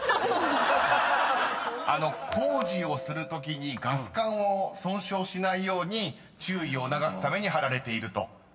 ［工事をするときにガス管を損傷しないように注意を促すために張られているということだそうです］